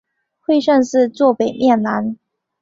会善寺坐北面南。